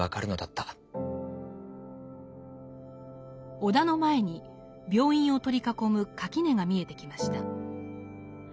尾田の前に病院を取り囲む垣根が見えてきました。